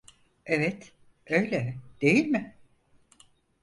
Evet, öyle, değil mi?